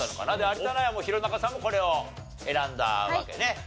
有田ナインは弘中さんもこれを選んだわけね。